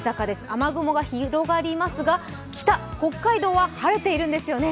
雨雲が広がりますが北、北海道は晴れているんですよね。